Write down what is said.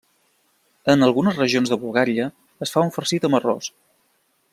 En algunes regions de Bulgària, es fa un farcit amb arròs.